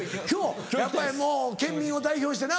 やっぱりもう県民を代表してな。